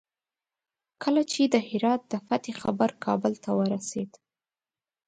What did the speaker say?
کله چې د هرات د فتح خبر کابل ته ورسېد.